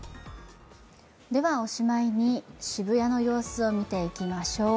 おしまいに、渋谷の様子を見ていきましょう。